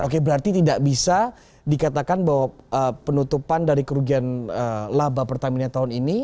oke berarti tidak bisa dikatakan bahwa penutupan dari kerugian laba pertamina tahun ini